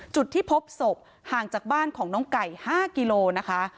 จุดที่พบศพห่างจากบ้านของน้องไก่๕กิโลนะคะ